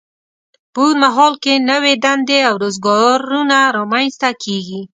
په اوږد مهال کې نوې دندې او روزګارونه رامینځته کیږي.